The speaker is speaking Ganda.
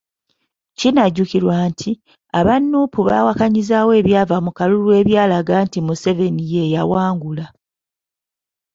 Kinajjukirwa nti, aba Nuupu baawakanyizaawo ebyava mu kalulu ebyalaga nti Museveni ye yawangula.